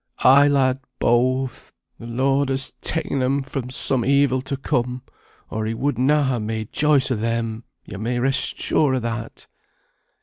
"Ay, lad! both. The Lord has ta'en them from some evil to come, or He would na ha' made choice o' them. Ye may rest sure o' that."